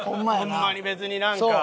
ホンマに別になんか。